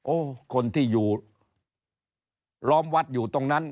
คนที่อยู่ล้อมวัดอยู่ตรงนั้น